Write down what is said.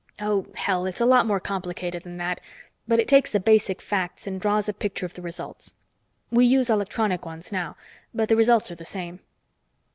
Oh, hell it's a lot more complicated than that, but it takes the basic facts and draws a picture of the results. We use electronic ones now, but the results are the same."